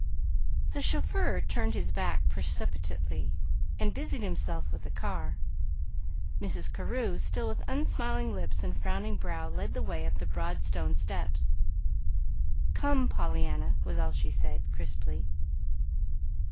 The chauffeur turned his back precipitately, and busied himself with the car. Mrs. Carew, still with unsmiling lips and frowning brow led the way up the broad stone steps. "Come, Pollyanna," was all she said, crisply.